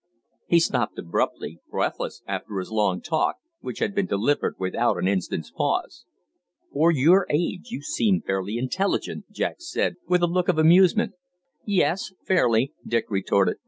He stopped abruptly, breathless after his long talk, which had been delivered without an instant's pause. "For your age you seem fairly intelligent," Jack said, with a look of amusement. "Yes, fairly," Dick retorted.